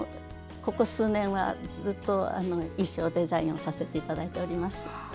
ここ数年はずっと衣装デザインをさせていただいております。